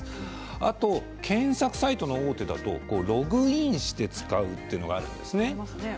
あと検索サイトＯＫですとログインして使うというものがありますね。